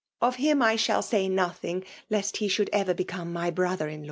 Of him I shall say nebbing leH he flbould erer become my bDather in h.